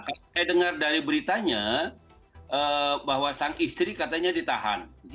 saya dengar dari beritanya bahwa sang istri katanya ditahan